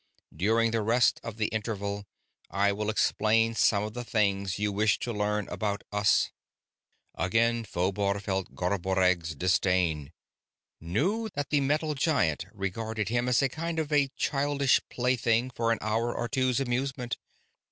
During the rest of the interval, I will explain some of the things you wish to learn about us." Again Phobar felt Garboreggg's disdain, knew that the metal giant regarded him as a kind of childish plaything for an hour or two's amusement.